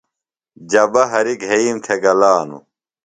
جبہ ہریۡ گھئیم تھےۡ گلانوۡ۔